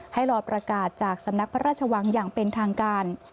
ให้รอประกาศจากสำนักพระราชวังอย่างเป็นทางการ